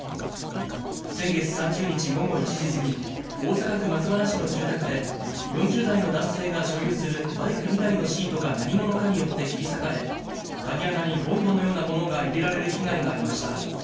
先月３０日午後１時過ぎ、大阪府松原市の住宅で、４０代の男性が所有するバイク２台のシートが何者かによって切り裂かれ、鍵穴にボンドのようなものが入れられる被害がありました。